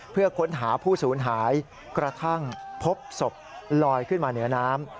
เพื่อค้นหาผู้สูญหายกระทั่งพบศพลอยขึ้นมาเหนือน้ำ